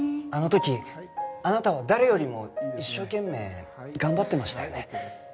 あの時あなたは誰よりも一生懸命頑張ってましたよね。